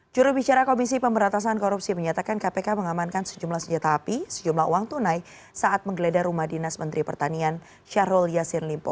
jurubicara komisi pemberantasan korupsi menyatakan kpk mengamankan sejumlah senjata api sejumlah uang tunai saat menggeledah rumah dinas menteri pertanian syahrul yassin limpo